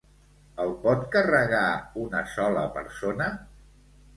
El pot carregar una sola persona?